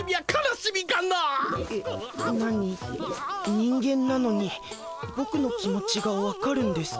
人間なのにボクの気持ちが分かるんですか？